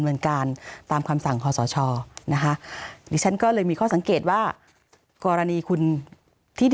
เมืองการตามคำสั่งคอสชนะคะดิฉันก็เลยมีข้อสังเกตว่ากรณีคุณที่